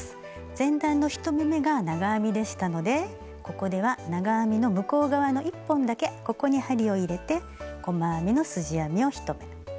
前段の１目めが長編みでしたのでここでは長編みの向こう側の１本だけここに針を入れて細編みのすじ編みを１目。